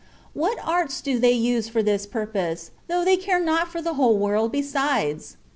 "What arts do they use for this purpose, though they care not for the whole world besides